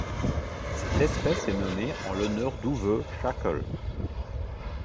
Cette espèce est nommée en l'honneur d'Uwe Schäkel.